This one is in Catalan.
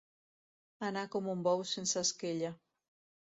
Anar com un bou sense esquella.